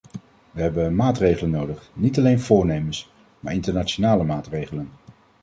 We hebben maatregelen nodig: niet alleen voornemens, maar internationale maatregelen.